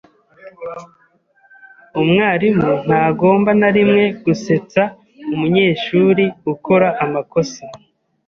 Umwarimu ntagomba na rimwe gusetsa umunyeshuri ukora amakosa.